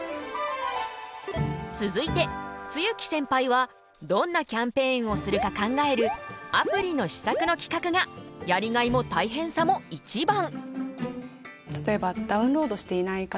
続いて露木センパイはどんなキャンペーンをするか考えるアプリの施策の企画がやりがいも大変さも一番！